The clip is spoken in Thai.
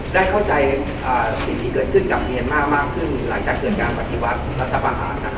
ได้เข้าใจสิ่งที่เกิดขึ้นกับเมียนมาร์มากขึ้นหลังจากเกิดการปฏิวัติรัฐประหาร